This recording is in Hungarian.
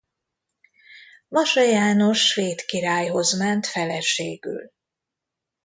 Wasa János svéd királyhoz ment feleségül.